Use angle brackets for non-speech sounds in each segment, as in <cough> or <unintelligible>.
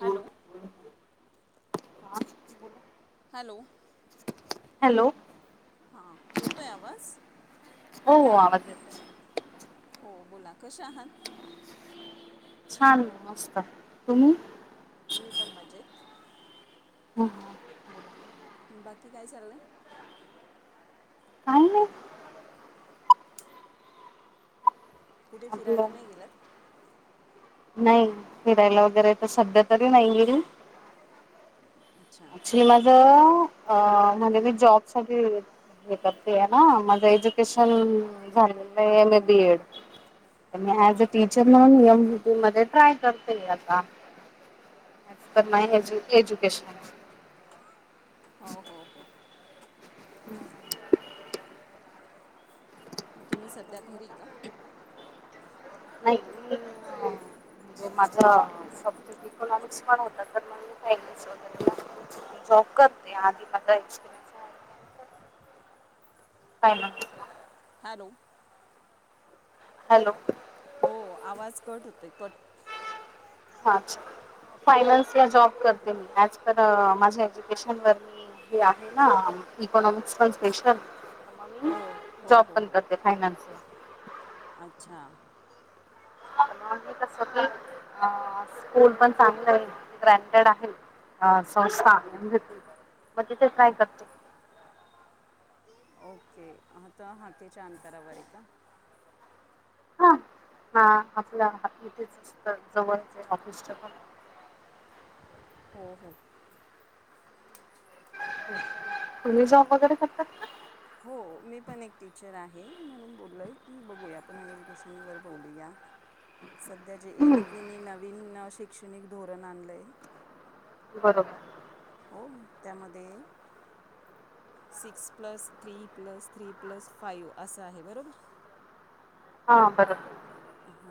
Hello hello hello हा येतोय आवाज. हो आवाज येतो. हो बोला कशे आहात. छान मस्त तुम्ही. मी पण मजेत. हां. बाकी काय चाललंय. काय नाही. कुठे आपलं फिरायला नाही गेलात. नाही फिरायला वगैरे तर सध्या तरी नाही गेली. अच्छा. मी माझ्या अ म्हंजे मी जॉब साठी हे करतेय हां माझं एज्युकेशन झालेलं आहे, एम ए बी एड हो ऍज अ टी यम म <unintelligible> ट्राय करतेयं आता. तर नाही एज एज्युकेशन. हो हो हो हम्म मग तुम्ही सध्या घरी का नाही म्हणजे माझा सब्जेक्ट इकॉनॉमिक्स पण होता तर मग मी काय इ्ल वगैरे झोकत ते आधी म <unintelligible> काय ना. हॅलो हॅलो हो आवाज कट होत कट. हा अच्छा फायनान्स या जॉब करते मी ऍज पर माझ्या एज्युकेशन व म आहे ना इकॉनॉमिक्स पण स्पेशल हो हो जॉब हो पण हो करते फायनान्स अच्छा कसव क अ स्कूल पण चांग रा ग्रँटेड आहे. ह सस् मग तिथे काय करते. ओके हता हाकच्या अंतरावर आहे का? हा हा आपल्या इथेचत जवळचे ऑफिस हो हो तुम्ही जाॉ वकडे करतात. हो मी पण एक टीचर आहे म्हणून बोललोय की बघूया आपण एज्युकेशन वर बोलूया. सध्या जे हम्म एनई पी नवीन शैक्षणिक धोरण आणलंय. बरोबर हो त्यामध्ये six plus three plus three plus five असं आहे बरोबर हा बर.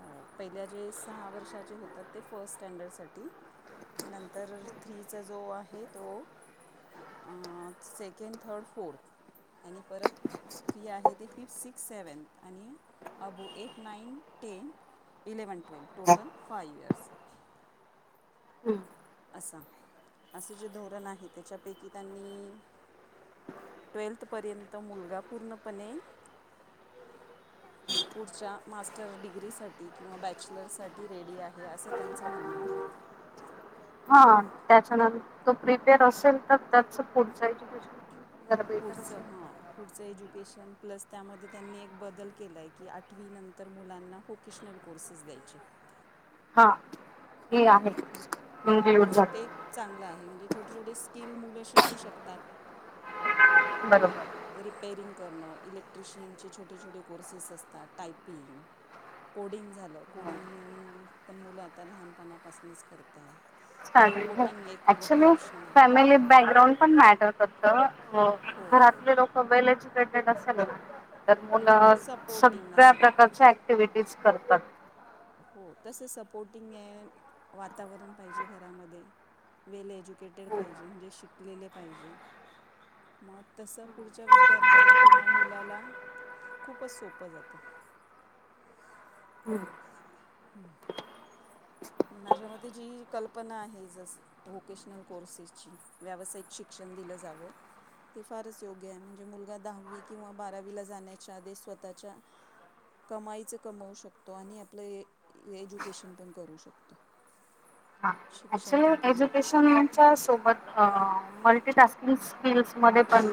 हो पहिल्या जे सहा वर्षाचे होतात ते फर्स्ट स्टँडर्ड साठी नंतर थ्रीचा जो आहे तो अं सेकंड, थर्ड, फोर्थ आणि परत थ्री आहे ते फि, सिक्स्थ, सेव्हनथ आणि अबू eight, nine, ten eleven, twelve total five years हम्म असाय असे जे धोरण आहे तेच्यापैकी त्यांनी ट्वेल्थ पर्यंत मुलगा पूर्णपणे पुढच्या मास्टर डिग्रीसाठी किंवा बॅचलरसाठी रेडी आहे असं त्याचं म्हणं आहे. हा तेच्यानंतर तो प्रिपेअर असेल तर त्याच पुढ जायच पुढचं हं. पुढचं एज्युकेशन प्लस त्यामध्ये त्यांनी एक बदल केलाय की आठवी नंतर मुलांना हो क्रीशनल कोर्सेस द्यायचे. हा हे आहे <unintelligible> चागलं आहे म्हणजे छोटे छोटे स्किल मुलं शिकू शकतात. बरोबर. रिपेरिंग करणं इलेक्ट्रिशियनचे छोटे छोटे कोर्सेस असतात टायपिंग कोडिंग झालं कोडिंग पण मुलं आता लहानपणा पासनच करतात. रोबोटिंग एक मोठा ऑप्शन आ <unintelligible> हे बॅकग्रांड पण मॅटर फक्त हो घरातले लोक वेल एज्युकेटेड असाल लागतात. तर हो मुलं सपोर्टिंग सगळ्या असेल प्रकारच्या ऍक्टिव्हिटीज करतात. हो तस सपोर्टिंग आहे वातावरण पाहिजे घरामध्ये वेल एज्युकेटेड हो. पाहिजे म्हणजे शिकलेले पाहिजे. म तसं पुढच्या विद्यार्थ्याला किंवा मुलाला खूपच सोपं जातं. <inaudible> हम्म माझ्या मध्ये जी कल्पना आहे जसं व्होकेशनल कोर्सेसची व्यावसायिक शिक्षण दिलं जावं. ते फारच योग्याय म्हणजे मुलगा दहावी किंवा बारावीला जाण्याच्या आधी स्वतःच्या कमाईच कमवू शकतो आणि आ आपलंय एज्युकेशन पण करू शकतो. अच्छ शिक्षण पण पूर्ण करू एज्युकेशन. च्या सोबत अं मल्टीटास्किंग स्किल्स मध्ये पण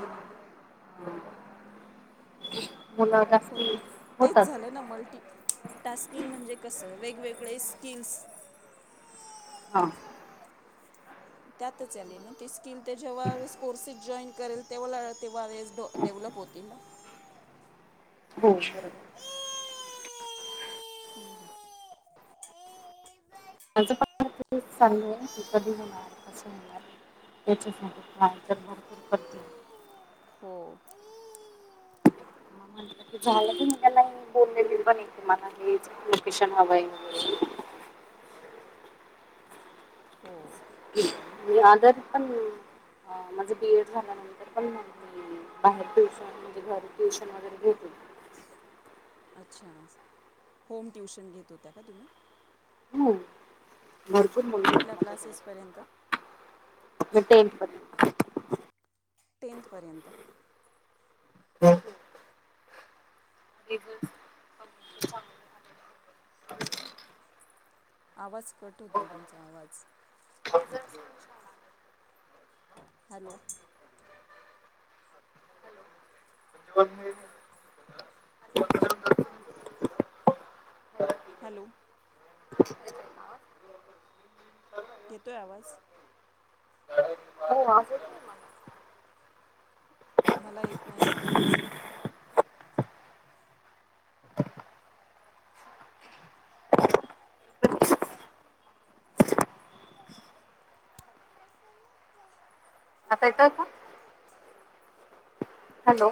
मुलं हो जास्ती होतात. तेच झालं ना मल्टी टास्किंग म्हणजे कसं वेगवेगळे स्किल्स हा. त्यातच आले ना ते स्किल ते जेव्हा कोर्सेस जॉईन करेल तेवाला तेव्हा वेळेस डो डेव्हलप होतील ना. हो बरोबर. हम्म हम्म. माझं पण <unintelligible> तेच चाललय की कधी हुणार कसं हुणार तेच्यासाठी <unintelligible> हो. झाला की मी तेला बोललेली <unintelligible> लोकेशन हवं हाय वगरे हो. <unintelligible> माझ बी एड झाल्यानंतर पण बाहेर ट्युशन म्हणजे घरी ट्युशन वगरे घेते. अच्छा होम ट्युशन घेत होत्या का तुम्ही? हो भरपूर मुले आहेत कुठल्या क्लासेसपर्यंत माझ्याकडे <unintelligible> टेंथ पर्यंत हम <unintelligible> आवाज कट होतोय तुमचा आवाज ह <inaudible> हॅलो वन मिनिट हॅलो हा येतोय आवाज हो आवाज येतोय मला <unintelligible> मला येत नाही आवाज. आता येतोय का? हॅलो